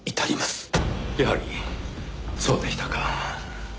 やはりそうでしたか。